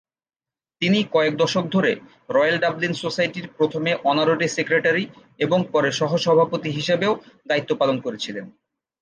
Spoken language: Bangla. তিনি কয়েক দশক ধরে রয়েল ডাবলিন সোসাইটির প্রথমে অনারারি সেক্রেটারি এবং পরে সহ-সভাপতি হিসাবেও দায়িত্ব পালন করেছিলেন।